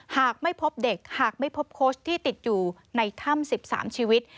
หากไม่พบเด็กหากไม่พบโค้ชที่ติดอยู่ในถ้ำ๑๓ชีวิต